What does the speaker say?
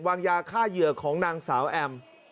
วางยาฆ่าเหยื่อของนางสาวแอม